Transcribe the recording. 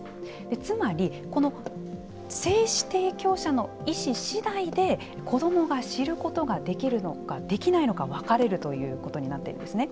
つまり精子提供者の意思次第で子どもが知ることができるのかできないのか分かれるということになっているんですね。